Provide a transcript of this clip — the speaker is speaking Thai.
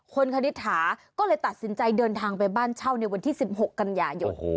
คุณคณิตถาก็เลยตัดสินใจเดินทางไปบ้านเช่าในวันที่๑๖กันยายน